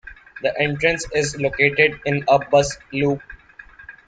The entrance is located in a bus loop.